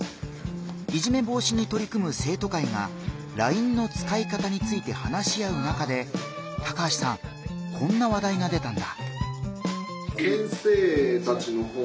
いじめ防止にとり組む生徒会がＬＩＮＥの使い方について話し合う中で高橋さんこんな話題が出たんだ。